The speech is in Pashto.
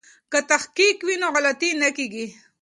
که تحقیق وي نو غلطي نه کیږي.